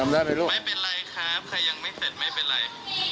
ไม่เป็นไรครับใครยังไม่เสร็จไม่เป็นไร